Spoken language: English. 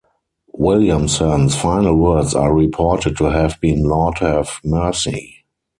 Williamson's final words are reported to have been "Lord have mercy".